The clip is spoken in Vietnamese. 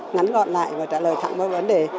ngắn gọn lại và trả lời thẳng với vấn đề